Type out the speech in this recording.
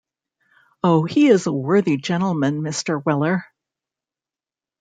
Oh, he is a worthy gentleman, Mr. Weller!